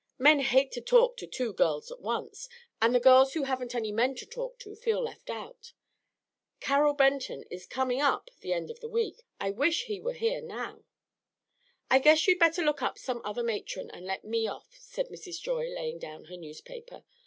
Men hate to talk to two girls at once, and the girls who haven't any men to talk to feel left out. Carrol Benton is coming up the end of the week; I wish he were here now." "I guess you'd better look up some other matron, and let me off," said Mrs. Joy, laying down her newspaper.